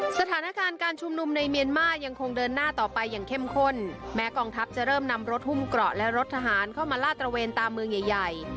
สถานการณ์การชุมนุมในเมียนมาร์ยังคงเดินหน้าต่อไปอย่างเข้มข้นแม้กองทัพจะเริ่มนำรถหุ้มเกราะและรถทหารเข้ามาลาดตระเวนตามเมืองใหญ่ใหญ่